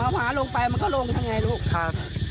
มันเอาผาลงไปมันก็ลงทางไหนลูก